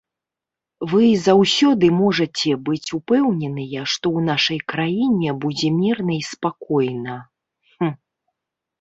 Вы заўсёды можаце быць упэўненыя, што ў нашай краіне будзе мірна і спакойна.